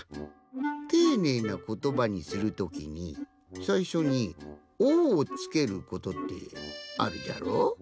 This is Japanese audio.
ていねいなことばにするときにさいしょに「お」をつけることってあるじゃろ？